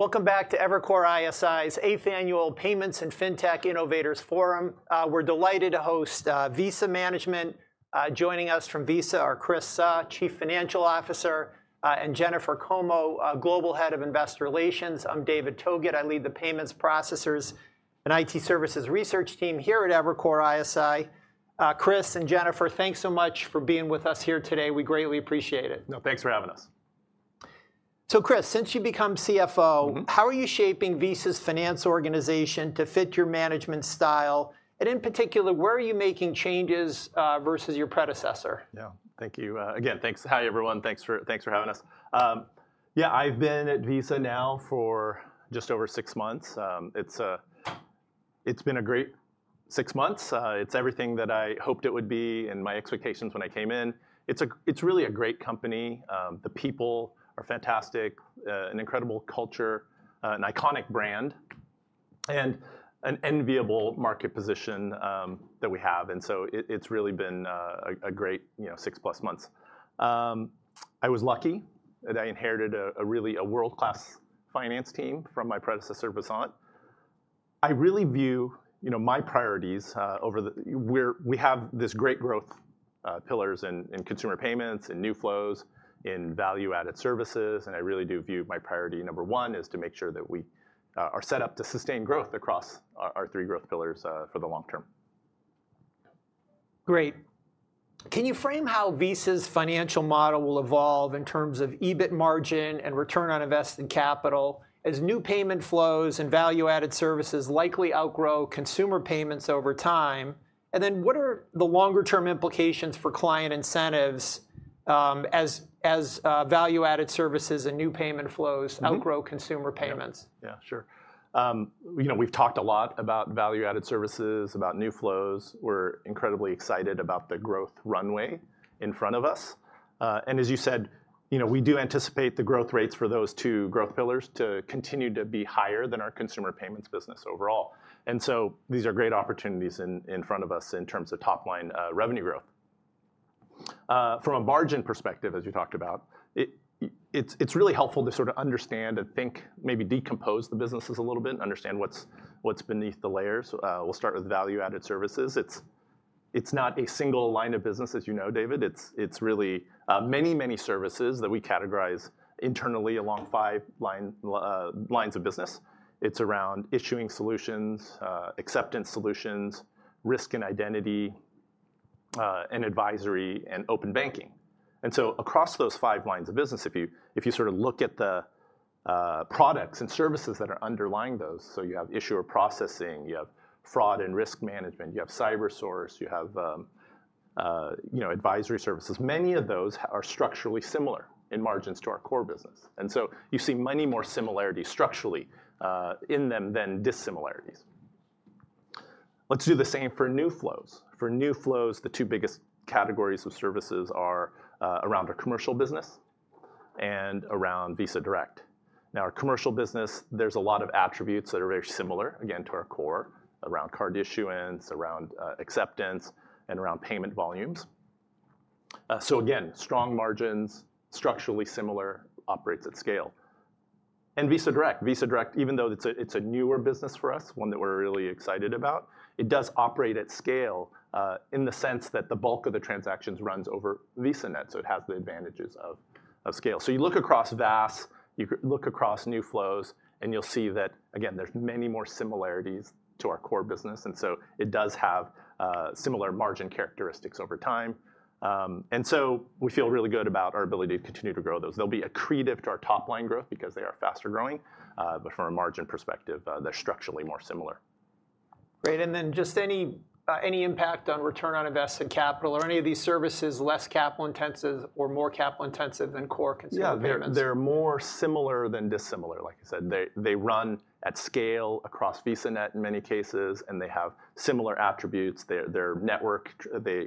Welcome back to Evercore ISI's eighth annual Payments and Fintech Innovators Forum. We're delighted to host Visa management. Joining us from Visa are Chris Suh, Chief Financial Officer, and Jennifer Como, Global Head of Investor Relations. I'm David Togut. I lead the Payments Processors and IT Services Research Team here at Evercore ISI. Chris and Jennifer, thanks so much for being with us here today. We greatly appreciate it. No, thanks for having us. So Chris, since you've become CFO, how are you shaping Visa's finance organization to fit your management style? And in particular, where are you making changes versus your predecessor? Yeah, thank you. Again, thanks. Hi everyone. Thanks for having us. Yeah, I've been at Visa now for just over six months. It's been a great six months. It's everything that I hoped it would be and my expectations when I came in. It's really a great company. The people are fantastic, an incredible culture, an iconic brand, and an enviable market position that we have. And so it's really been a great six-plus months. I was lucky that I inherited a really world-class finance team from my predecessor, Vasant. I really view my priorities over the we have these great growth pillars in consumer payments and new flows and value-added services. And I really do view my priority number one is to make sure that we are set up to sustain growth across our three growth pillars for the long term. Great. Can you frame how Visa's financial model will evolve in terms of EBIT margin and return on invested capital as new payment flows and value-added services likely outgrow consumer payments over time? And then what are the longer-term implications for client incentives as value-added services and new payment flows outgrow consumer payments? Yeah, sure. We've talked a lot about value-added services, about new flows. We're incredibly excited about the growth runway in front of us. And as you said, we do anticipate the growth rates for those two growth pillars to continue to be higher than our consumer payments business overall. And so these are great opportunities in front of us in terms of top-line revenue growth. From a margin perspective, as you talked about, it's really helpful to sort of understand and think, maybe decompose the businesses a little bit, understand what's beneath the layers. We'll start with value-added services. It's not a single line of business, as you know, David. It's really many, many services that we categorize internally along five lines of business. It's around issuing solutions, acceptance solutions, risk and identity, and advisory and open banking. And so across those five lines of business, if you sort of look at the products and services that are underlying those, so you have issuer processing, you have fraud and risk management, you have CyberSource, you have advisory services; many of those are structurally similar in margins to our core business. And so you see many more similarities structurally in them than dissimilarities. Let's do the same for new flows. For new flows, the two biggest categories of services are around our commercial business and around Visa Direct. Now, our commercial business, there's a lot of attributes that are very similar, again, to our core around card issuance, around acceptance, and around payment volumes. So again, strong margins, structurally similar, operates at scale. And Visa Direct. Visa Direct, even though it's a newer business for us, one that we're really excited about, it does operate at scale in the sense that the bulk of the transactions runs over VisaNet. So it has the advantages of scale. So you look across VAS, you look across new flows, and you'll see that, again, there's many more similarities to our core business. And so it does have similar margin characteristics over time. And so we feel really good about our ability to continue to grow those. They'll be accretive to our top-line growth because they are faster growing. But from a margin perspective, they're structurally more similar. Great. Then just any impact on return on invested capital or any of these services less capital-intensive or more capital-intensive than core consumer payments? Yeah, they're more similar than dissimilar. Like I said, they run at scale across VisaNet in many cases, and they have similar attributes. They're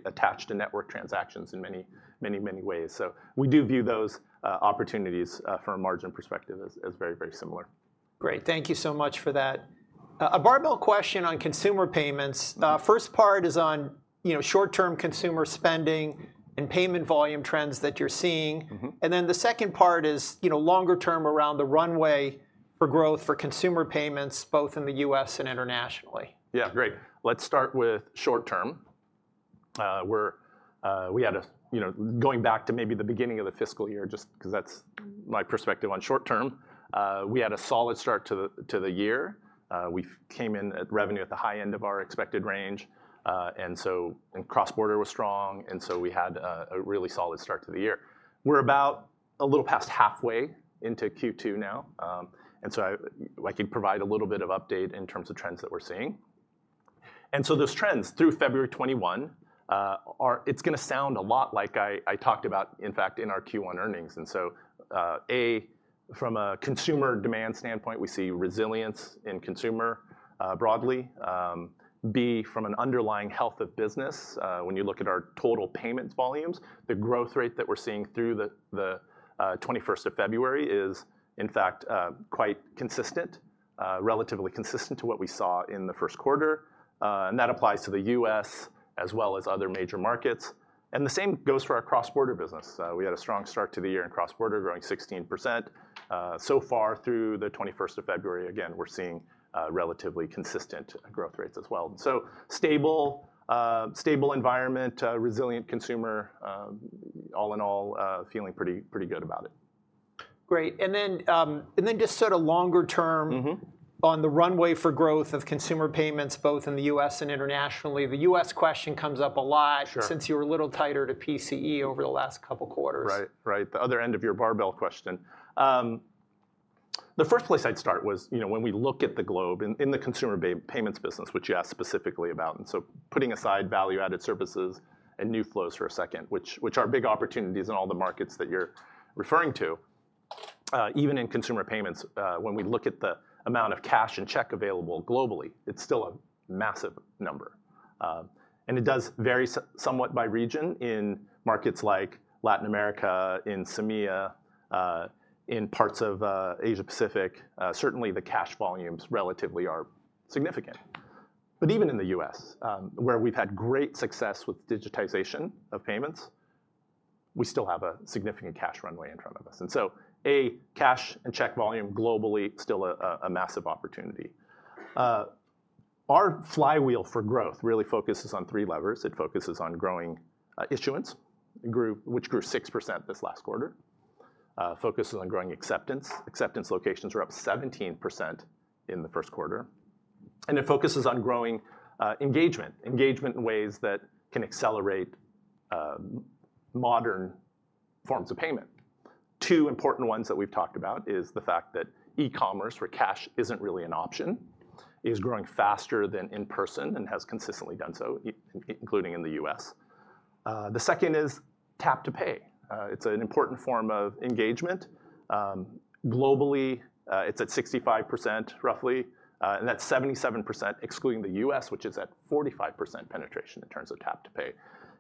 attached to network transactions in many, many, many ways. So we do view those opportunities from a margin perspective as very, very similar. Great. Thank you so much for that. A barbell question on consumer payments. First part is on short-term consumer spending and payment volume trends that you're seeing. Then the second part is longer-term around the runway for growth for consumer payments, both in the U.S. and internationally. Yeah, great. Let's start with short-term. Going back to maybe the beginning of the fiscal year, just because that's my perspective on short-term, we had a solid start to the year. We came in at revenue at the high end of our expected range. And so cross-border was strong, and so we had a really solid start to the year. We're about a little past halfway into Q2 now. And so I could provide a little bit of update in terms of trends that we're seeing. And so those trends, through February 21st, it's going to sound a lot like I talked about, in fact, in our Q1 earnings. And so A, from a consumer demand standpoint, we see resilience in consumer broadly. B, from an underlying health of business, when you look at our total payments volumes, the growth rate that we're seeing through the 21st of February is, in fact, quite relatively consistent to what we saw in the first quarter. And that applies to the U.S. as well as other major markets. And the same goes for our cross-border business. We had a strong start to the year in cross-border, growing 16%. So far through the 21st of February, again, we're seeing relatively consistent growth rates as well. And so stable environment, resilient consumer, all in all, feeling pretty good about it. Great. And then just sort of longer-term on the runway for growth of consumer payments, both in the U.S. and internationally, the U.S. question comes up a lot since you were a little tighter to PCE over the last couple of quarters. Right, right. The other end of your barbell question. The first place I'd start was when we look at the globe in the consumer payments business, which you asked specifically about. And so putting aside value-added services and new flows for a second, which are big opportunities in all the markets that you're referring to, even in consumer payments, when we look at the amount of cash and check available globally, it's still a massive number. And it does vary somewhat by region. In markets like Latin America, in CEMEA, in parts of Asia-Pacific, certainly the cash volumes relatively are significant. But even in the U.S., where we've had great success with digitization of payments, we still have a significant cash runway in front of us. And so A, cash and check volume globally, still a massive opportunity. Our flywheel for growth really focuses on three levers. It focuses on growing issuance, which grew 6% this last quarter. It focuses on growing acceptance. Acceptance locations were up 17% in the first quarter. It focuses on growing engagement, engagement in ways that can accelerate modern forms of payment. Two important ones that we've talked about is the fact that e-commerce, where cash isn't really an option, is growing faster than in-person and has consistently done so, including in the U.S. The second is tap-to-pay. It's an important form of engagement. Globally, it's at 65% roughly. And that's 77% excluding the U.S., which is at 45% penetration in terms of tap-to-pay.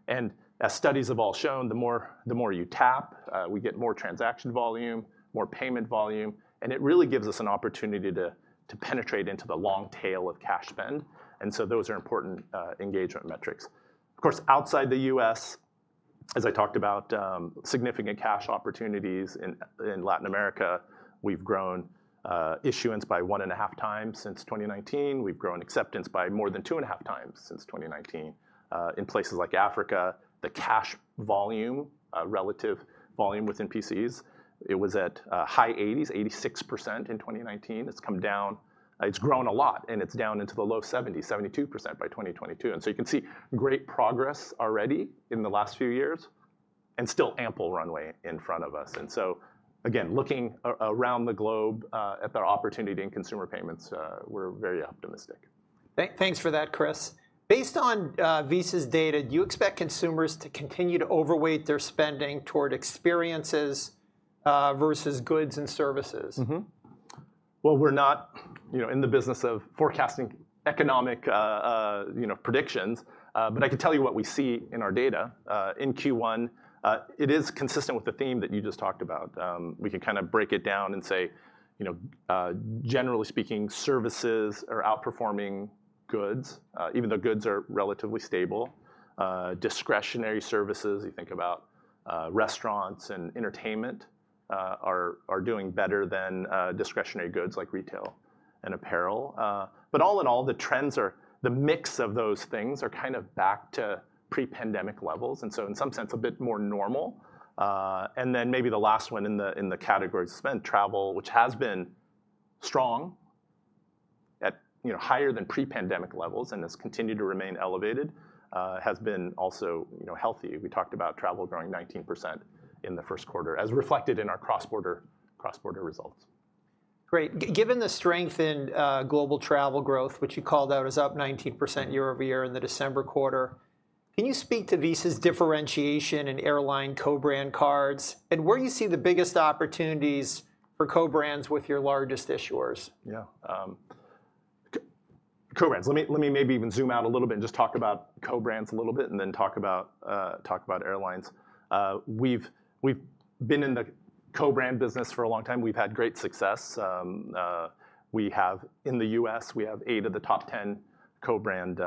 And as studies have all shown, the more you tap, we get more transaction volume, more payment volume. And it really gives us an opportunity to penetrate into the long tail of cash spend. And so those are important engagement metrics. Of course, outside the U.S., as I talked about, significant cash opportunities. In Latin America, we've grown issuance by 1.5x since 2019. We've grown acceptance by more than 2.5x since 2019. In places like Africa, the cash volume, relative volume within PCEs, it was at high 80s, 86% in 2019. It's grown a lot, and it's down into the low 70s, 72% by 2022. And so you can see great progress already in the last few years and still ample runway in front of us. And so again, looking around the globe at our opportunity in consumer payments, we're very optimistic. Thanks for that, Chris. Based on Visa's data, do you expect consumers to continue to overweight their spending toward experiences versus goods and services? Well, we're not in the business of forecasting economic predictions. But I could tell you what we see in our data. In Q1, it is consistent with the theme that you just talked about. We can kind of break it down and say, generally speaking, services are outperforming goods, even though goods are relatively stable. Discretionary services, you think about restaurants and entertainment, are doing better than discretionary goods like retail and apparel. But all in all, the mix of those things are kind of back to pre-pandemic levels, and so in some sense, a bit more normal. And then maybe the last one in the category of spend, travel, which has been strong, higher than pre-pandemic levels, and has continued to remain elevated, has been also healthy. We talked about travel growing 19% in the first quarter, as reflected in our cross-border results. Great. Given the strength in global travel growth, which you called out as up 19% year-over-year in the December quarter, can you speak to Visa's differentiation in airline co-brand cards? And where do you see the biggest opportunities for co-brands with your largest issuers? Yeah. Co-brands. Let me maybe even zoom out a little bit and just talk about co-brands a little bit and then talk about airlines. We've been in the co-brand business for a long time. We've had great success. In the U.S., we have 8 of the top 10 co-brand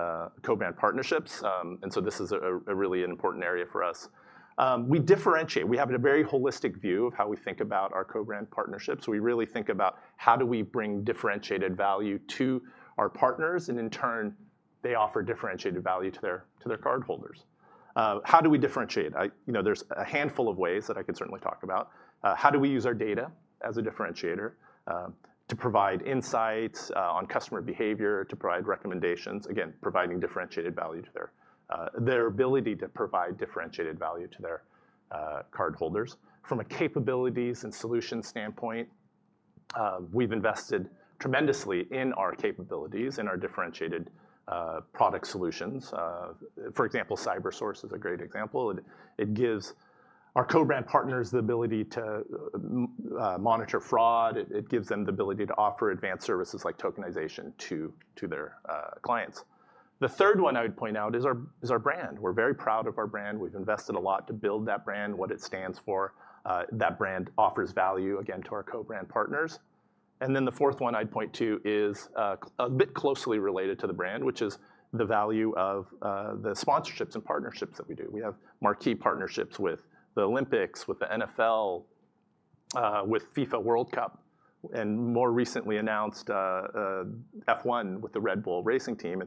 partnerships. And so this is really an important area for us. We differentiate. We have a very holistic view of how we think about our co-brand partnerships. We really think about how do we bring differentiated value to our partners, and in turn, they offer differentiated value to their cardholders. How do we differentiate? There's a handful of ways that I could certainly talk about. How do we use our data as a differentiator to provide insights on customer behavior, to provide recommendations, again, providing differentiated value to their ability to provide differentiated value to their cardholders? From a capabilities and solutions standpoint, we've invested tremendously in our capabilities, in our differentiated product solutions. For example, CyberSource is a great example. It gives our co-brand partners the ability to monitor fraud. It gives them the ability to offer advanced services like tokenization to their clients. The third one I would point out is our brand. We're very proud of our brand. We've invested a lot to build that brand, what it stands for. That brand offers value, again, to our co-brand partners. And then the fourth one I'd point to is a bit closely related to the brand, which is the value of the sponsorships and partnerships that we do. We have marquee partnerships with the Olympics, with the NFL, with FIFA World Cup, and more recently announced F1 with the Red Bull Racing Team.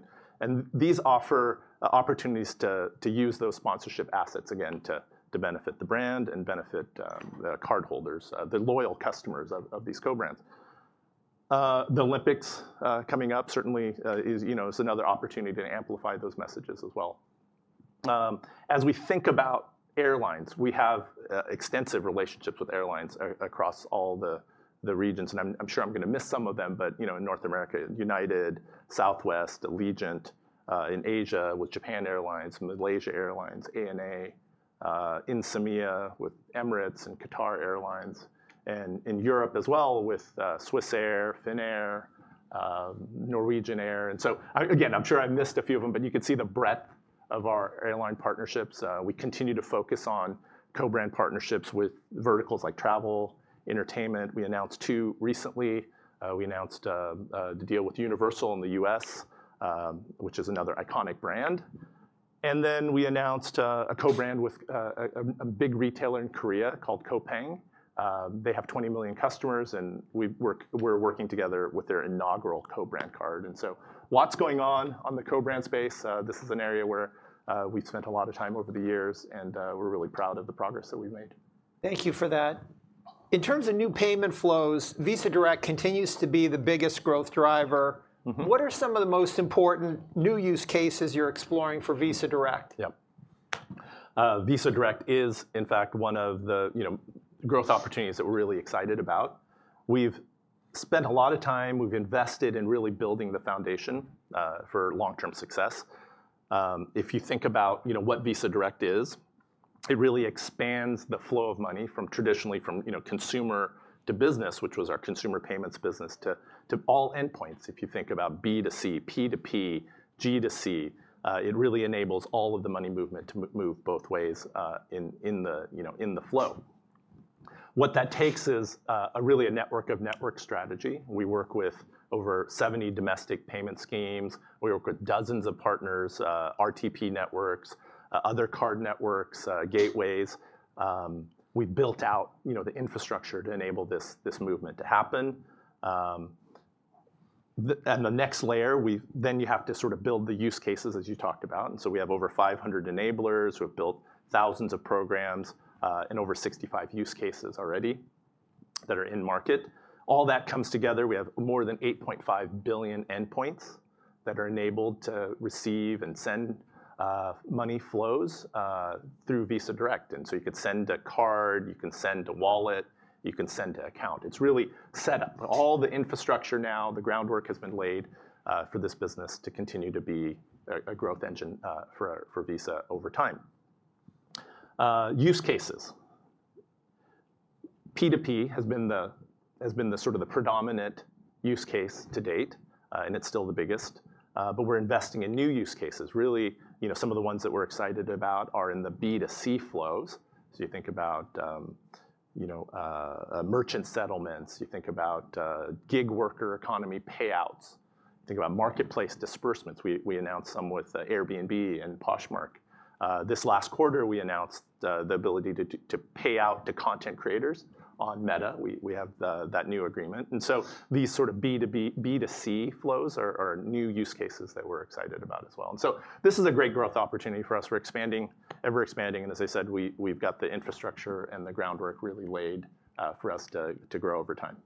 These offer opportunities to use those sponsorship assets, again, to benefit the brand and benefit the cardholders, the loyal customers of these co-brands. The Olympics coming up certainly is another opportunity to amplify those messages as well. As we think about airlines, we have extensive relationships with airlines across all the regions. I'm sure I'm going to miss some of them, but in North America, United, Southwest, Allegiant. In Asia, with Japan Airlines, Malaysia Airlines, ANA. In CEMEA, with Emirates and Qatar Airways. And in Europe as well, with Swiss Air, Finnair, Norwegian Air. And so again, I'm sure I missed a few of them, but you could see the breadth of our airline partnerships. We continue to focus on co-brand partnerships with verticals like travel, entertainment. We announced two recently. We announced the deal with Universal in the U.S., which is another iconic brand. Then we announced a co-brand with a big retailer in Korea called Coupang. They have 20 million customers, and we're working together with their inaugural co-brand card. So lots going on in the co-brand space. This is an area where we've spent a lot of time over the years, and we're really proud of the progress that we've made. Thank you for that. In terms of new payment flows, Visa Direct continues to be the biggest growth driver. What are some of the most important new use cases you're exploring for Visa Direct? Yeah. Visa Direct is, in fact, one of the growth opportunities that we're really excited about. We've spent a lot of time. We've invested in really building the foundation for long-term success. If you think about what Visa Direct is, it really expands the flow of money traditionally from consumer to business, which was our consumer payments business, to all endpoints. If you think about B to C, P to P, G to C, it really enables all of the money movement to move both ways in the flow. What that takes is really a network of network strategy. We work with over 70 domestic payment schemes. We work with dozens of partners, RTP networks, other card networks, gateways. We've built out the infrastructure to enable this movement to happen. And the next layer, then you have to sort of build the use cases, as you talked about. And so we have over 500 enablers. We've built thousands of programs and over 65 use cases already that are in market. All that comes together, we have more than 8.5 billion endpoints that are enabled to receive and send money flows through Visa Direct. And so you could send a card. You can send a wallet. You can send an account. It's really set up. All the infrastructure now, the groundwork has been laid for this business to continue to be a growth engine for Visa over time. Use cases. P2P has been sort of the predominant use case to date, and it's still the biggest. But we're investing in new use cases. Really, some of the ones that we're excited about are in the B2C flows. So you think about merchant settlements. You think about gig worker economy payouts. You think about marketplace disbursements. We announced some with Airbnb and Poshmark. This last quarter, we announced the ability to pay out to content creators on Meta. We have that new agreement. And so these sort of B to C flows are new use cases that we're excited about as well. And so this is a great growth opportunity for us. We're ever expanding. And as I said, we've got the infrastructure and the groundwork really laid for us to grow over time.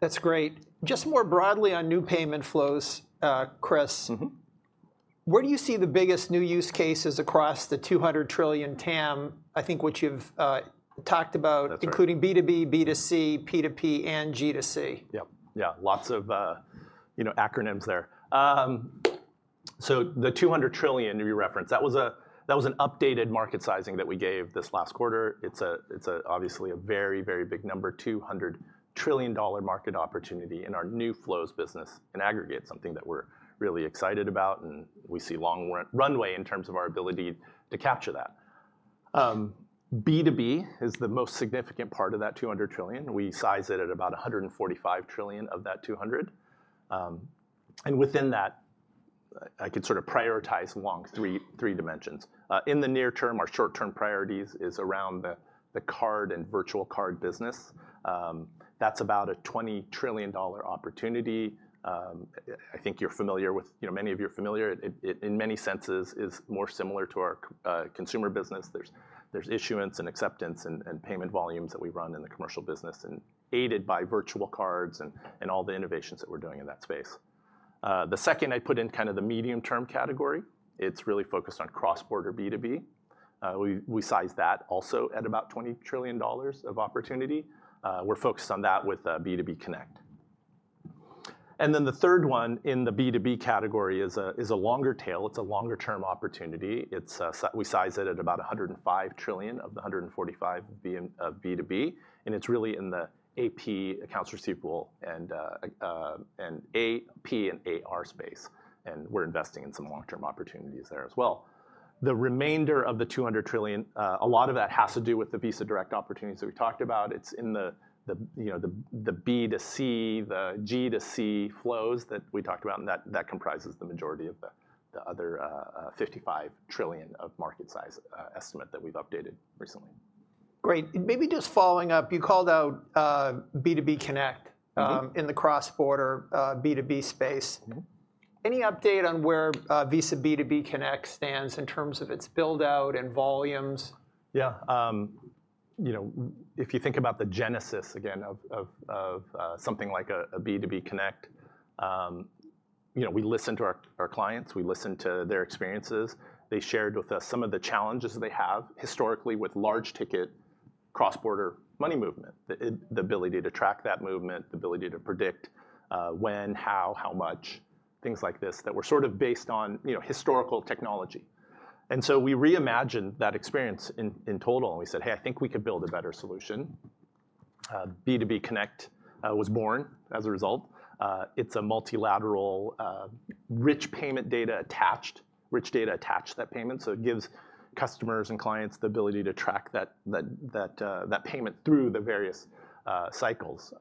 That's great. Just more broadly on new payment flows, Chris, where do you see the biggest new use cases across the 200 trillion TAM, I think what you've talked about, including B2B, B2C, P2P, and G2C? Yep. Yeah. Lots of acronyms there. So the $200 trillion you referenced, that was an updated market sizing that we gave this last quarter. It's obviously a very, very big number, $200 trillion market opportunity in our new flows business in aggregate, something that we're really excited about. And we see long runway in terms of our ability to capture that. B2B is the most significant part of that $200 trillion. We size it at about $145 trillion of that $200. And within that, I could sort of prioritize along three dimensions. In the near term, our short-term priorities are around the card and virtual card business. That's about a $20 trillion opportunity. I think many of you are familiar. In many senses, it is more similar to our consumer business. There's issuance and acceptance and payment volumes that we run in the commercial business, aided by virtual cards and all the innovations that we're doing in that space. The second, I'd put in kind of the medium-term category. It's really focused on cross-border B2B. We size that also at about $20 trillion of opportunity. We're focused on that with B2B Connect. And then the third one in the B2B category is a longer tail. It's a longer-term opportunity. We size it at about $105 trillion of the $145 trillion of B2B. And it's really in the AP, accounts receivable, and AP and AR space. And we're investing in some long-term opportunities there as well. The remainder of the $200 trillion, a lot of that has to do with the Visa Direct opportunities that we talked about. It's in the B to C, the G to C flows that we talked about. And that comprises the majority of the other $55 trillion of market size estimate that we've updated recently. Great. Maybe just following up, you called out B2B Connect in the cross-border B2B space. Any update on where Visa B2B Connect stands in terms of its build-out and volumes? Yeah. If you think about the genesis, again, of something like a B2B Connect, we listen to our clients. We listen to their experiences. They shared with us some of the challenges they have historically with large-ticket cross-border money movement, the ability to track that movement, the ability to predict when, how, how much, things like this that were sort of based on historical technology. And so we reimagined that experience in total. And we said, hey, I think we could build a better solution. B2B Connect was born as a result. It's a multilateral, rich payment data attached, rich data attached to that payment. So it gives customers and clients the ability to track that payment through the various cycles.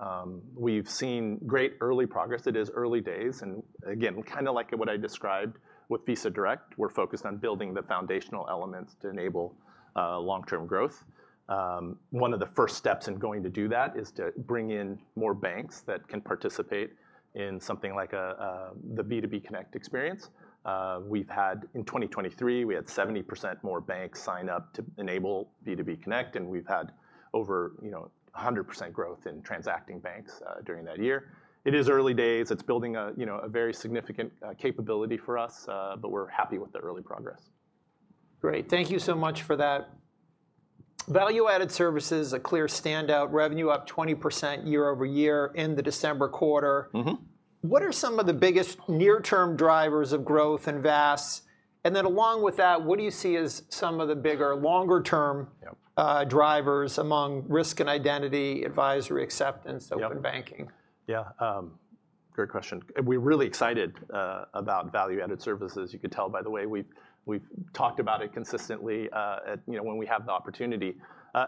We've seen great early progress. It is early days. And again, kind of like what I described with Visa Direct, we're focused on building the foundational elements to enable long-term growth. One of the first steps in going to do that is to bring in more banks that can participate in something like the B2B Connect experience. In 2023, we had 70% more banks sign up to enable B2B Connect. And we've had over 100% growth in transacting banks during that year. It is early days. It's building a very significant capability for us. But we're happy with the early progress. Great. Thank you so much for that. Value-added services, a clear standout, revenue up 20% year-over-year in the December quarter. What are some of the biggest near-term drivers of growth in VAS? And then along with that, what do you see as some of the bigger, longer-term drivers among risk and identity, advisory acceptance, open banking? Yeah. Great question. We're really excited about value-added services. You could tell, by the way. We've talked about it consistently when we have the opportunity.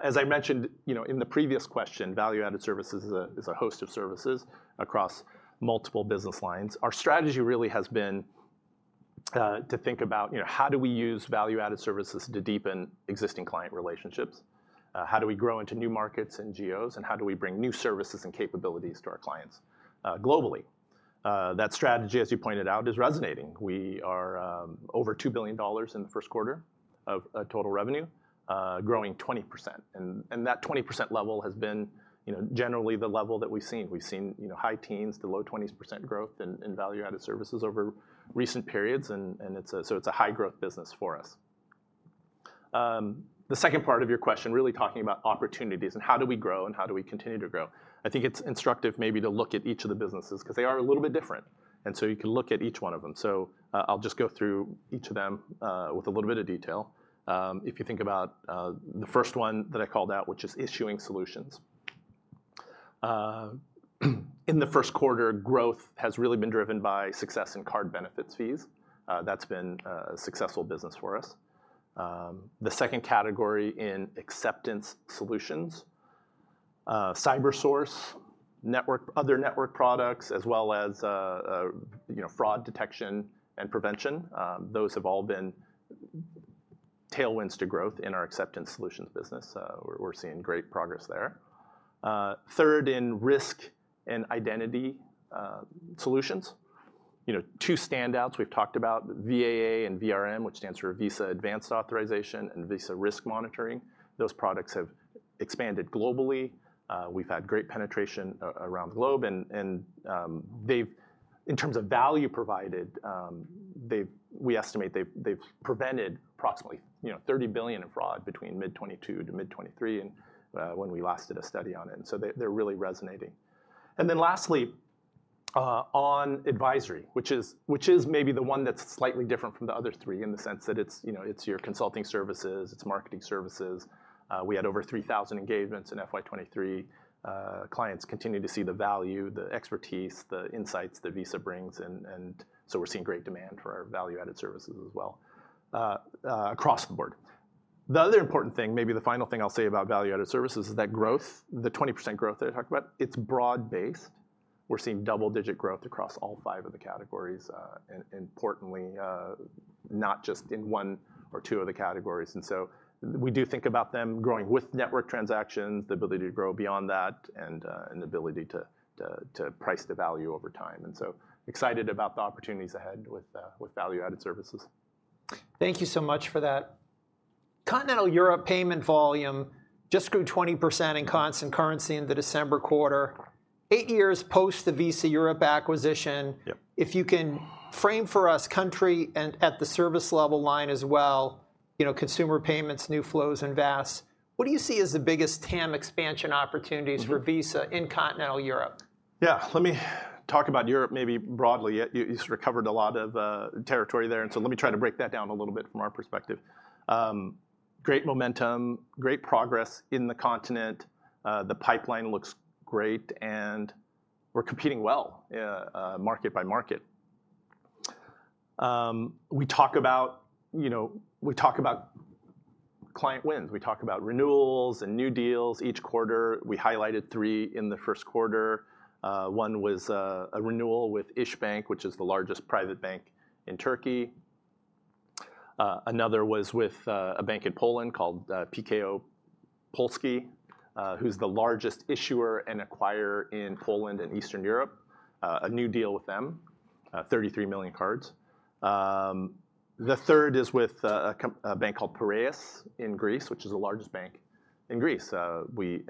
As I mentioned in the previous question, value-added services is a host of services across multiple business lines. Our strategy really has been to think about how do we use value-added services to deepen existing client relationships? How do we grow into new markets and geos? And how do we bring new services and capabilities to our clients globally? That strategy, as you pointed out, is resonating. We are over $2 billion in the first quarter of total revenue, growing 20%. And that 20% level has been generally the level that we've seen. We've seen high teens to low 20% growth in value-added services over recent periods. And so it's a high-growth business for us. The second part of your question, really talking about opportunities, and how do we grow, and how do we continue to grow, I think it's instructive maybe to look at each of the businesses because they are a little bit different. So you can look at each one of them. I'll just go through each of them with a little bit of detail. If you think about the first one that I called out, which is issuing solutions. In the first quarter, growth has really been driven by success in card benefits fees. That's been a successful business for us. The second category in acceptance solutions, CyberSource, other network products, as well as fraud detection and prevention, those have all been tailwinds to growth in our acceptance solutions business. We're seeing great progress there. Third, in risk and identity solutions, two standouts we've talked about, VAA and VRM, which stands for Visa Advanced Authorization and Visa Risk Manager. Those products have expanded globally. We've had great penetration around the globe. And in terms of value provided, we estimate they've prevented approximately $30 billion in fraud between mid-2022 to mid-2023 when we last did a study on it. And so they're really resonating. And then lastly, on advisory, which is maybe the one that's slightly different from the other three in the sense that it's your consulting services. It's marketing services. We had over 3,000 engagements in FY23. Clients continue to see the value, the expertise, the insights that Visa brings. And so we're seeing great demand for our value-added services as well across the board. The other important thing, maybe the final thing I'll say about value-added services, is that growth, the 20% growth that I talked about, it's broad-based. We're seeing double-digit growth across all five of the categories, importantly, not just in one or two of the categories. And so we do think about them growing with network transactions, the ability to grow beyond that, and the ability to price the value over time. And so excited about the opportunities ahead with value-added services. Thank you so much for that. Continental Europe payment volume just grew 20% in constant currency in the December quarter, eight years post the Visa Europe acquisition. If you can frame for us country and at the service level line as well, consumer payments, new flows, and VAS, what do you see as the biggest TAM expansion opportunities for Visa in Continental Europe? Yeah. Let me talk about Europe maybe broadly. You sort of covered a lot of territory there. And so let me try to break that down a little bit from our perspective. Great momentum, great progress in the continent. The pipeline looks great. And we're competing well market by market. We talk about client wins. We talk about renewals and new deals each quarter. We highlighted three in the first quarter. One was a renewal with İşbank, which is the largest private bank in Turkey. Another was with a bank in Poland called PKO Bank Polski, who's the largest issuer and acquirer in Poland and Eastern Europe, a new deal with them, 33 million cards. The third is with a bank called Piraeus Bank in Greece, which is the largest bank in Greece. We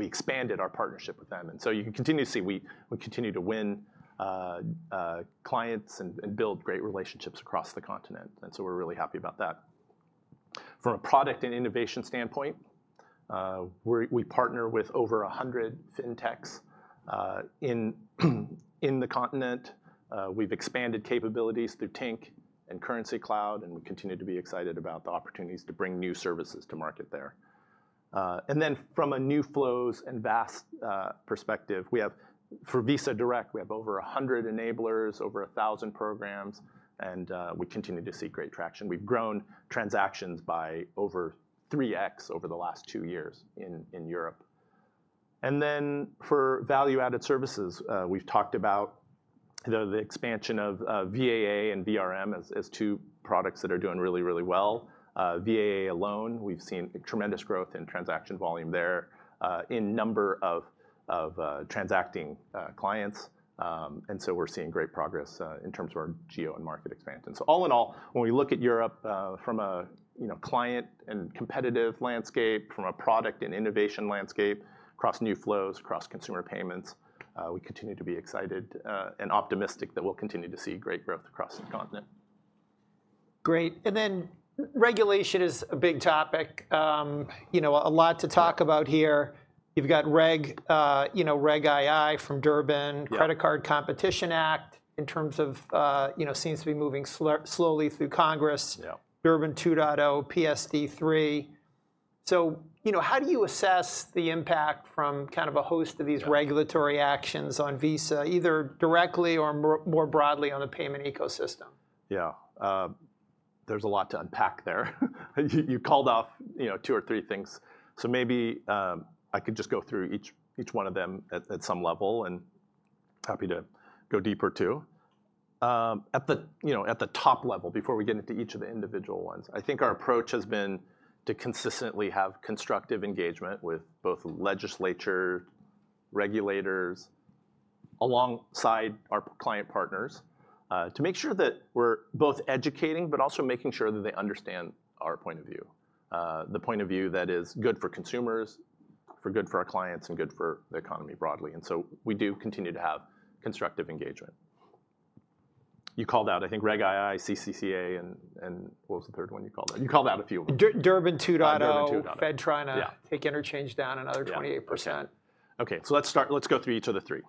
expanded our partnership with them. And so you can continue to see we continue to win clients and build great relationships across the continent. And so we're really happy about that. From a product and innovation standpoint, we partner with over 100 fintechs in the continent. We've expanded capabilities through Tink and Currencycloud. And we continue to be excited about the opportunities to bring new services to market there. And then from a new flows and VAS perspective, for Visa Direct, we have over 100 enablers, over 1,000 programs. And we continue to see great traction. We've grown transactions by over 3x over the last two years in Europe. And then for value-added services, we've talked about the expansion of VAA and VRM as two products that are doing really, really well. VAA alone, we've seen tremendous growth in transaction volume there in number of transacting clients. So we're seeing great progress in terms of our geo and market expansion. All in all, when we look at Europe from a client and competitive landscape, from a product and innovation landscape, across new flows, across consumer payments, we continue to be excited and optimistic that we'll continue to see great growth across the continent. Great. And then regulation is a big topic, a lot to talk about here. You've got Reg II from Durbin, Credit Card Competition Act in terms of seems to be moving slowly through Congress, Durbin 2.0, PSD3. So how do you assess the impact from kind of a host of these regulatory actions on Visa, either directly or more broadly on the payment ecosystem? Yeah. There's a lot to unpack there. You called out two or three things. So maybe I could just go through each one of them at some level. And happy to go deeper too. At the top level, before we get into each of the individual ones, I think our approach has been to consistently have constructive engagement with both legislators, regulators, alongside our client partners to make sure that we're both educating but also making sure that they understand our point of view, the point of view that is good for consumers, good for our clients, and good for the economy broadly. And so we do continue to have constructive engagement. You called out, I think, Reg II, CCCA, and what was the third one you called out? You called out a few of them. Durbin 2.0, Fed trying to take Interchange down another 28%. OK. So let's go through each of the three.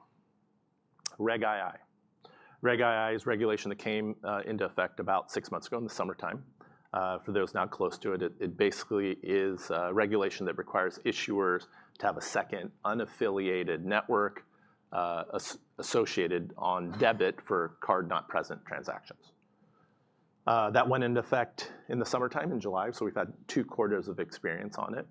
Reg II. Reg II is regulation that came into effect about six months ago in the summertime. For those now close to it, it basically is regulation that requires issuers to have a second unaffiliated network associated on debit for card-not-present transactions. That went into effect in the summertime in July. So we've had 2 quarters of experience on it.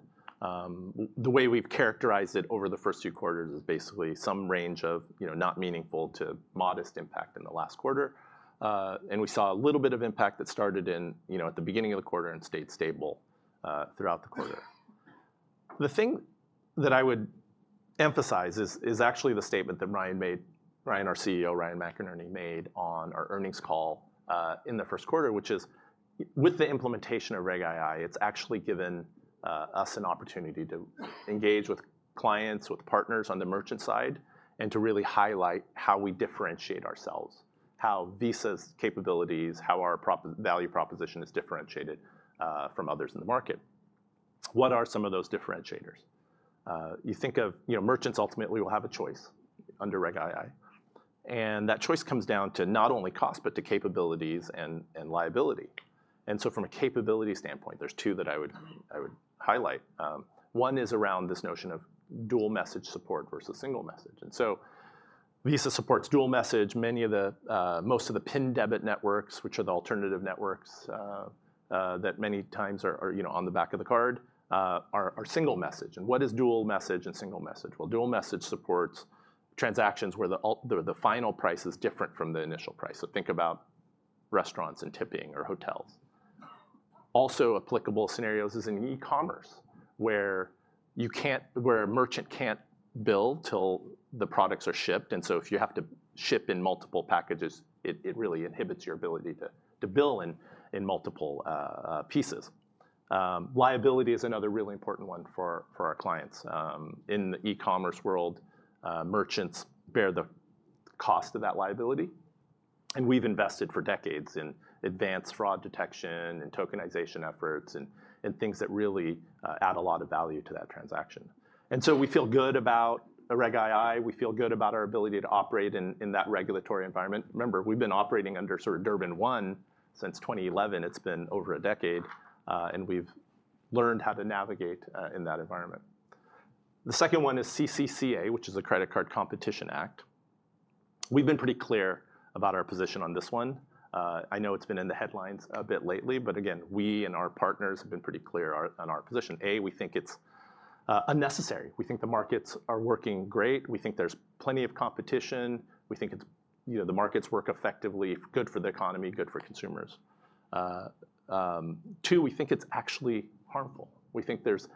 The way we've characterized it over the first 2 quarters is basically some range of not meaningful to modest impact in the last quarter. We saw a little bit of impact that started at the beginning of the quarter and stayed stable throughout the quarter. The thing that I would emphasize is actually the statement that Ryan, our CEO, Ryan McInerney, made on our earnings call in the first quarter, which is, with the implementation of Reg II, it's actually given us an opportunity to engage with clients, with partners on the merchant side, and to really highlight how we differentiate ourselves, how Visa's capabilities, how our value proposition is differentiated from others in the market. What are some of those differentiators? You think of merchants ultimately will have a choice under Reg II. And that choice comes down to not only cost but to capabilities and liability. And so from a capability standpoint, there's two that I would highlight. One is around this notion of dual message support versus single message. And so Visa supports dual message. Most of the PIN debit networks, which are the alternative networks that many times are on the back of the card, are single message. What is dual message and single message? Well, dual message supports transactions where the final price is different from the initial price. So think about restaurants and tipping or hotels. Also applicable scenarios is in e-commerce, where a merchant can't bill till the products are shipped. So if you have to ship in multiple packages, it really inhibits your ability to bill in multiple pieces. Liability is another really important one for our clients. In the e-commerce world, merchants bear the cost of that liability. We've invested for decades in advanced fraud detection and tokenization efforts and things that really add a lot of value to that transaction. So we feel good about Reg II. We feel good about our ability to operate in that regulatory environment. Remember, we've been operating under sort of Durbin since 2011. It's been over a decade. We've learned how to navigate in that environment. The second one is CCCA, which is the Credit Card Competition Act. We've been pretty clear about our position on this one. I know it's been in the headlines a bit lately. But again, we and our partners have been pretty clear on our position. A, we think it's unnecessary. We think the markets are working great. We think there's plenty of competition. We think the markets work effectively, good for the economy, good for consumers. Two, we think it's actually harmful. We think there's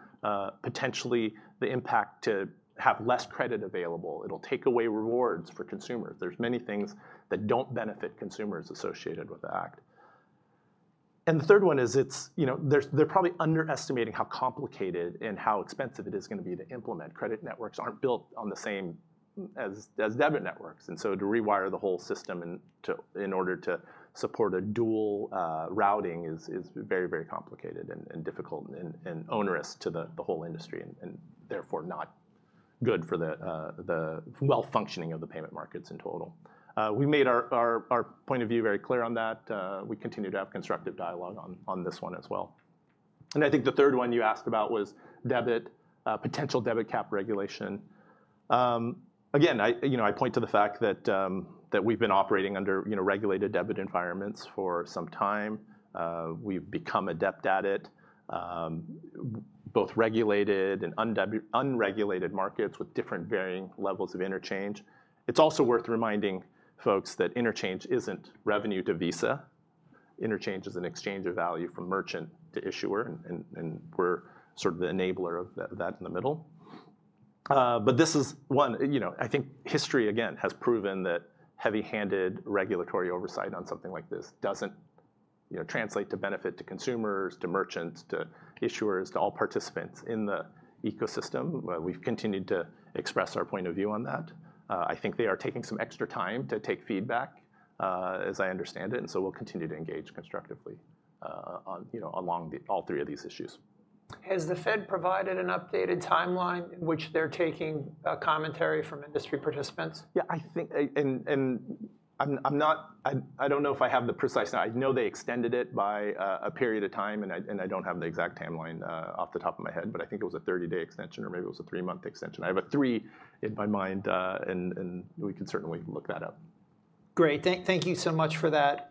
potentially the impact to have less credit available. It'll take away rewards for consumers. There's many things that don't benefit consumers associated with the act. The third one is they're probably underestimating how complicated and how expensive it is going to be to implement. Credit networks aren't built on the same as debit networks. And so to rewire the whole system in order to support a dual routing is very, very complicated and difficult and onerous to the whole industry and therefore not good for the well-functioning of the payment markets in total. We made our point of view very clear on that. We continue to have constructive dialogue on this one as well. And I think the third one you asked about was potential debit cap regulation. Again, I point to the fact that we've been operating under regulated debit environments for some time. We've become adept at it, both regulated and unregulated markets with different varying levels of interchange. It's also worth reminding folks that interchange isn't revenue to Visa. Interchange is an exchange of value from merchant to issuer. And we're sort of the enabler of that in the middle. But this is one, I think, history, again, has proven that heavy-handed regulatory oversight on something like this doesn't translate to benefit to consumers, to merchants, to issuers, to all participants in the ecosystem. We've continued to express our point of view on that. I think they are taking some extra time to take feedback, as I understand it. And so we'll continue to engage constructively along all three of these issues. Has the Fed provided an updated timeline in which they're taking commentary from industry participants? Yeah. I don't know if I have the precise time. I know they extended it by a period of time. And I don't have the exact timeline off the top of my head. But I think it was a 30-day extension. Or maybe it was a three-month extension. I have a three in my mind. And we can certainly look that up. Great. Thank you so much for that.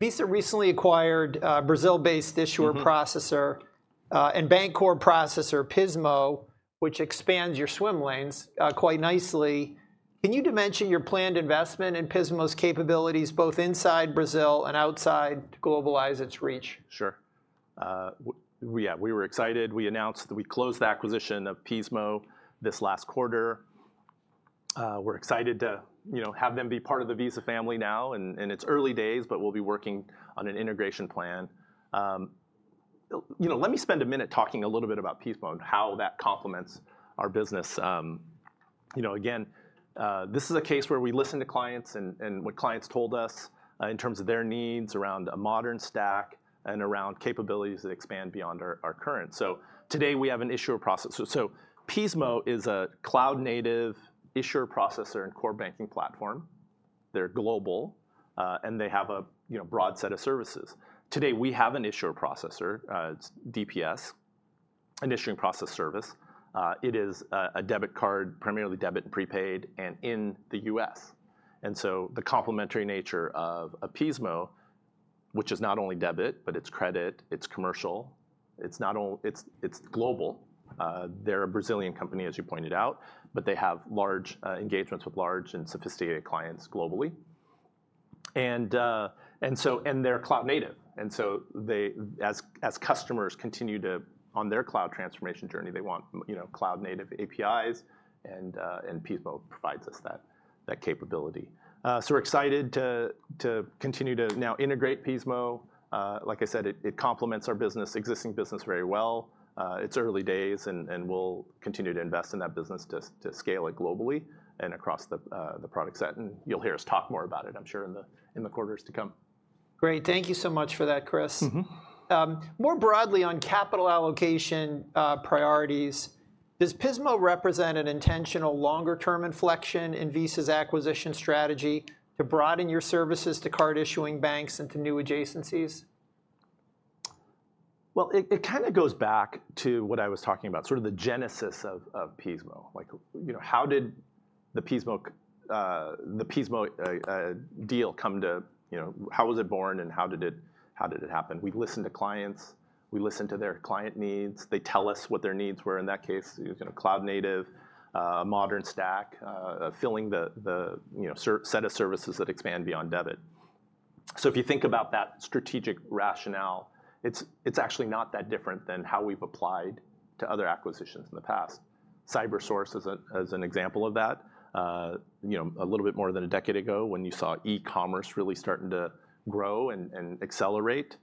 Visa recently acquired Brazil-based issuer processor and core banking processor Pismo, which expands your swim lanes quite nicely. Can you dimension your planned investment in Pismo's capabilities both inside Brazil and outside to globalize its reach? Sure. Yeah. We were excited. We announced that we closed the acquisition of Pismo this last quarter. We're excited to have them be part of the Visa family now. It's early days. But we'll be working on an integration plan. Let me spend a minute talking a little bit about Pismo and how that complements our business. Again, this is a case where we listen to clients and what clients told us in terms of their needs around a modern stack and around capabilities that expand beyond our current. Today, we have an issuer processor. So Pismo is a cloud-native issuer processor and core banking platform. They're global. And they have a broad set of services. Today, we have an issuer processor. It's DPS, an issuer processing service. It is a debit card, primarily debit and prepaid, and in the U.S. And so the complementary nature of a Pismo, which is not only debit, but it's credit, it's commercial, it's global—they're a Brazilian company, as you pointed out. But they have engagements with large and sophisticated clients globally. And they're cloud-native. And so as customers continue on their cloud transformation journey, they want cloud-native APIs. And Pismo provides us that capability. So we're excited to continue to now integrate Pismo. Like I said, it complements our existing business very well. It's early days. And we'll continue to invest in that business to scale it globally and across the product set. And you'll hear us talk more about it, I'm sure, in the quarters to come. Great. Thank you so much for that, Chris. More broadly on capital allocation priorities, does Pismo represent an intentional longer-term inflection in Visa's acquisition strategy to broaden your services to card-issuing banks and to new adjacencies? Well, it kind of goes back to what I was talking about, sort of the genesis of Pismo. How did the Pismo deal come to? How was it born? And how did it happen? We listen to clients. We listen to their client needs. They tell us what their needs were. In that case, it was going to be cloud-native, a modern stack, filling the set of services that expand beyond debit. So if you think about that strategic rationale, it's actually not that different than how we've applied to other acquisitions in the past. CyberSource is an example of that. A little bit more than a decade ago, when you saw e-commerce really starting to grow and accelerate,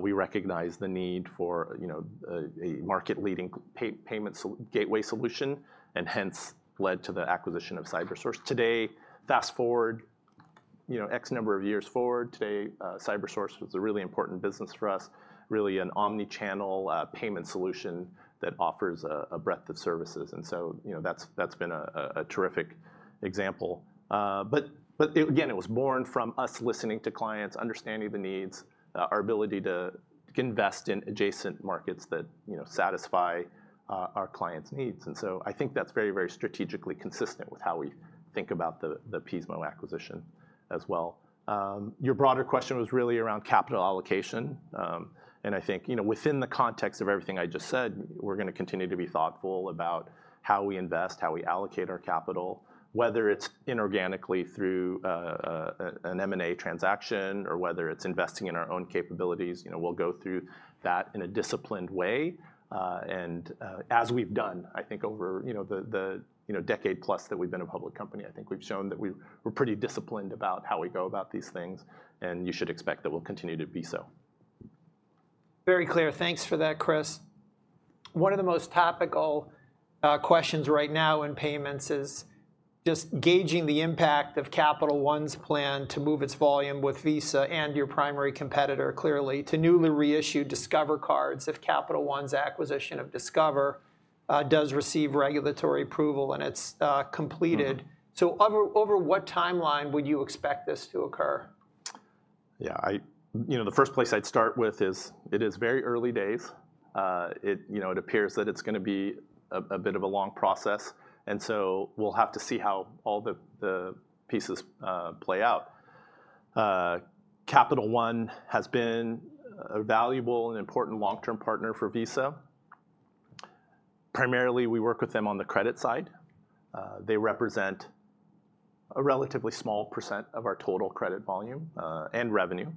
we recognized the need for a market-leading payment gateway solution and hence led to the acquisition of CyberSource. Today, fast forward x number of years forward, today, CyberSource was a really important business for us, really an omnichannel payment solution that offers a breadth of services. And so that's been a terrific example. But again, it was born from us listening to clients, understanding the needs, our ability to invest in adjacent markets that satisfy our clients' needs. And so I think that's very, very strategically consistent with how we think about the Pismo acquisition as well. Your broader question was really around capital allocation. And I think within the context of everything I just said, we're going to continue to be thoughtful about how we invest, how we allocate our capital, whether it's inorganically through an M&A transaction or whether it's investing in our own capabilities. We'll go through that in a disciplined way. As we've done, I think, over the decade plus that we've been a public company, I think we've shown that we're pretty disciplined about how we go about these things. You should expect that we'll continue to be so. Very clear. Thanks for that, Chris. One of the most topical questions right now in payments is just gauging the impact of Capital One's plan to move its volume with Visa and your primary competitor, clearly, to newly reissued Discover cards if Capital One's acquisition of Discover does receive regulatory approval and it's completed. So over what timeline would you expect this to occur? Yeah. The first place I'd start with is it is very early days. It appears that it's going to be a bit of a long process. And so we'll have to see how all the pieces play out. Capital One has been a valuable and important long-term partner for Visa. Primarily, we work with them on the credit side. They represent a relatively small % of our total credit volume and revenue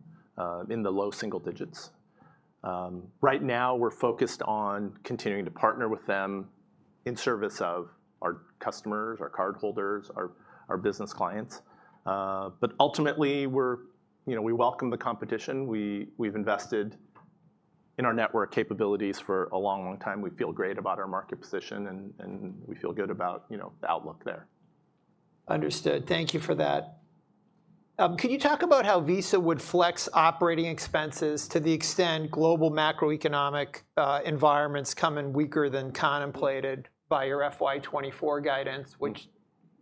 in the low single digits. Right now, we're focused on continuing to partner with them in service of our customers, our cardholders, our business clients. But ultimately, we welcome the competition. We've invested in our network capabilities for a long, long time. We feel great about our market position. And we feel good about the outlook there. Understood. Thank you for that. Could you talk about how Visa would flex operating expenses to the extent global macroeconomic environments come in weaker than contemplated by your FY2024 guidance, which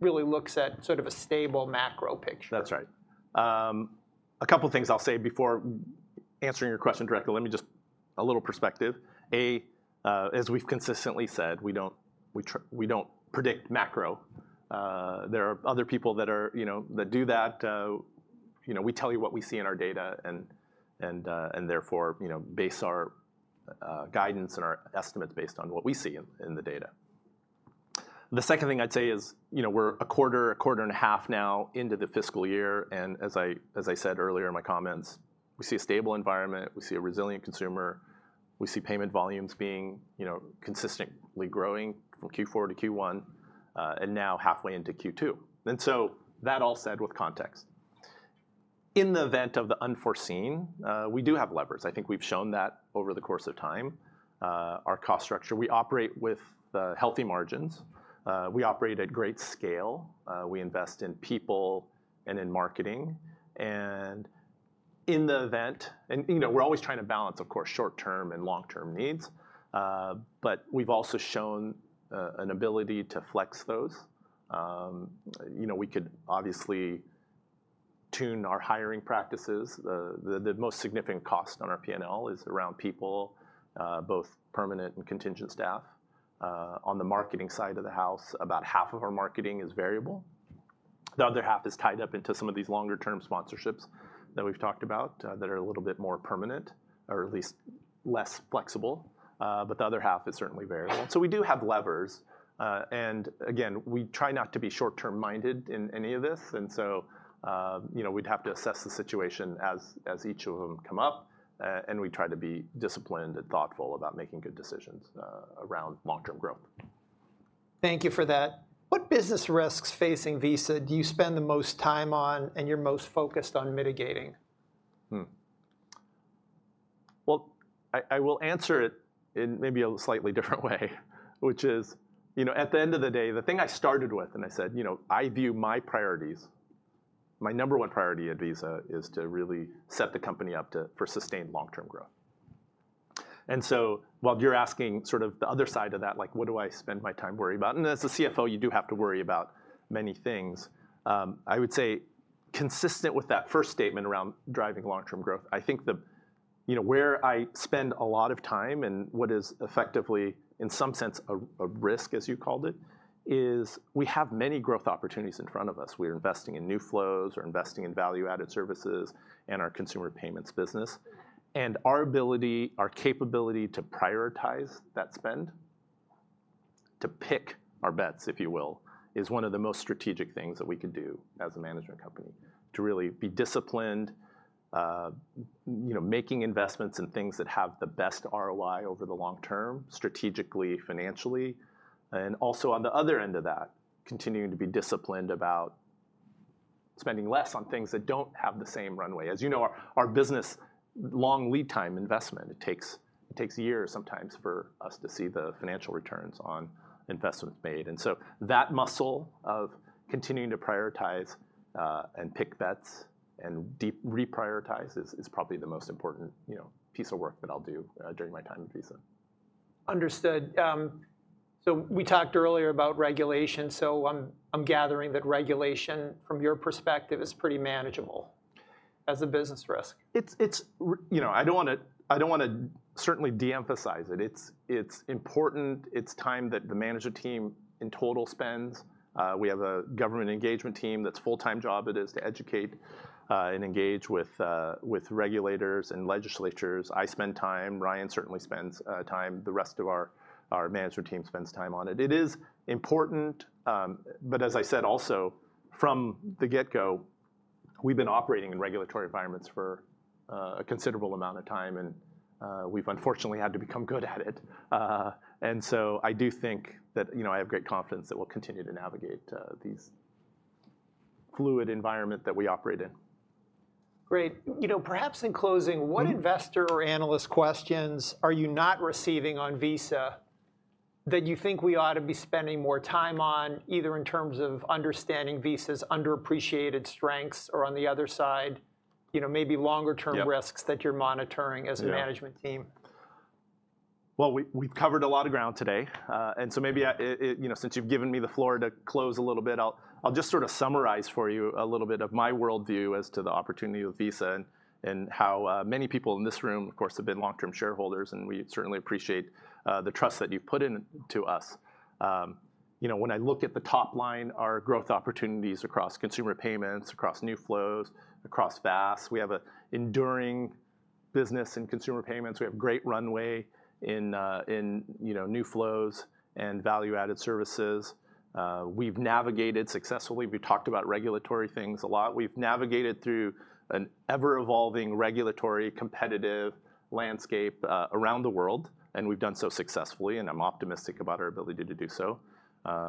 really looks at sort of a stable macro picture? That's right. A couple of things I'll say before answering your question directly. Let me just a little perspective. A, as we've consistently said, we don't predict macro. There are other people that do that. We tell you what we see in our data and therefore base our guidance and our estimates based on what we see in the data. The second thing I'd say is we're a quarter, a quarter and a half now into the fiscal year. And as I said earlier in my comments, we see a stable environment. We see a resilient consumer. We see payment volumes being consistently growing from Q4 to Q1 and now halfway into Q2. And so that all said with context, in the event of the unforeseen, we do have levers. I think we've shown that over the course of time, our cost structure. We operate with healthy margins. We operate at great scale. We invest in people and in marketing. And in the event and we're always trying to balance, of course, short-term and long-term needs. But we've also shown an ability to flex those. We could obviously tune our hiring practices. The most significant cost on our P&L is around people, both permanent and contingent staff. On the marketing side of the house, about half of our marketing is variable. The other half is tied up into some of these longer-term sponsorships that we've talked about that are a little bit more permanent or at least less flexible. But the other half is certainly variable. And so we do have levers. And again, we try not to be short-term minded in any of this. And so we'd have to assess the situation as each of them come up. We try to be disciplined and thoughtful about making good decisions around long-term growth. Thank you for that. What business risks facing Visa do you spend the most time on and you're most focused on mitigating? Well, I will answer it in maybe a slightly different way, which is at the end of the day, the thing I started with and I said, I view my priorities my number one priority at Visa is to really set the company up for sustained long-term growth. And so while you're asking sort of the other side of that, what do I spend my time worrying about? And as a CFO, you do have to worry about many things. I would say consistent with that first statement around driving long-term growth, I think where I spend a lot of time and what is effectively, in some sense, a risk, as you called it, is we have many growth opportunities in front of us. We are investing in new flows. We're investing in value-added services and our consumer payments business. Our ability, our capability to prioritize that spend, to pick our bets, if you will, is one of the most strategic things that we could do as a management company to really be disciplined, making investments in things that have the best ROI over the long term, strategically, financially. Also on the other end of that, continuing to be disciplined about spending less on things that don't have the same runway. As you know, our business long lead time investment, it takes years sometimes for us to see the financial returns on investments made. So that muscle of continuing to prioritize and pick bets and reprioritize is probably the most important piece of work that I'll do during my time at Visa. Understood. So we talked earlier about regulation. So I'm gathering that regulation, from your perspective, is pretty manageable as a business risk. I don't want to certainly de-emphasize it. It's important. It's time that the management team in total spends. We have a government engagement team. That's a full-time job. It is to educate and engage with regulators and legislatures. I spend time. Ryan certainly spends time. The rest of our management team spends time on it. It is important. But as I said also, from the get-go, we've been operating in regulatory environments for a considerable amount of time. And we've unfortunately had to become good at it. And so I do think that I have great confidence that we'll continue to navigate this fluid environment that we operate in. Great. Perhaps in closing, what investor or analyst questions are you not receiving on Visa that you think we ought to be spending more time on, either in terms of understanding Visa's underappreciated strengths or on the other side, maybe longer-term risks that you're monitoring as a management team? Well, we've covered a lot of ground today. So maybe since you've given me the floor to close a little bit, I'll just sort of summarize for you a little bit of my worldview as to the opportunity with Visa and how many people in this room, of course, have been long-term shareholders. We certainly appreciate the trust that you've put into us. When I look at the top line, our growth opportunities across consumer payments, across new flows, across VaaS, we have an enduring business in consumer payments. We have great runway in new flows and value-added services. We've navigated successfully. We've talked about regulatory things a lot. We've navigated through an ever-evolving regulatory competitive landscape around the world. We've done so successfully. I'm optimistic about our ability to do so.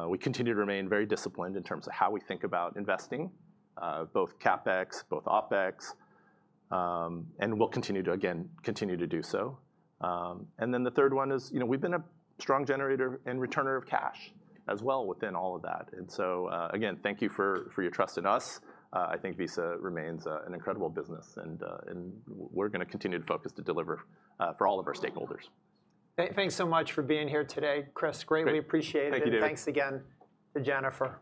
We continue to remain very disciplined in terms of how we think about investing, both CapEx, both OpEx. We'll continue to, again, continue to do so. Then the third one is we've been a strong generator and returner of cash as well within all of that. So again, thank you for your trust in us. I think Visa remains an incredible business. We're going to continue to focus to deliver for all of our stakeholders. Thanks so much for being here today, Chris. Greatly appreciate it. Thank you, David. Thanks again to Jennifer.